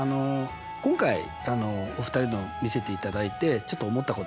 今回お二人とも見せていただいてちょっと思ったことがあったのね。